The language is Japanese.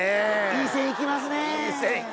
いい線行きますね。